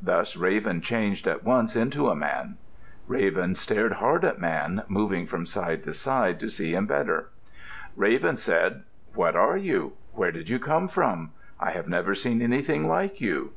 Thus Raven changed at once into a man. Raven stared hard at Man, moving from side to side to see him better. Raven said, "What are you? Where did you come from? I have never seen anything like you."